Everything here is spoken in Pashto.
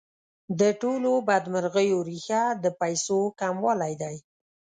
د ټولو بدمرغیو ریښه د پیسو کموالی دی.